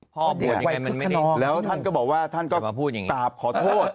พ่อบวชยังไงมันไม่ได้แล้วท่านก็บอกว่าท่านก็อย่ามาพูดอย่างงี้ตราบขอโทษ